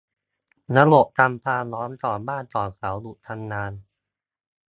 ระบบทำความร้อนของบ้านของเขาหยุดทำงาน